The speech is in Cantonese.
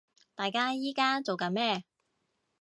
大家依家做緊咩